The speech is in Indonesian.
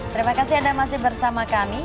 terima kasih anda masih bersama kami